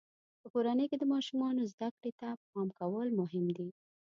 په کورنۍ کې د ماشومانو زده کړې ته پام کول مهم دي.